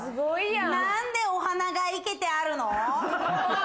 何でお花がいけてあるの？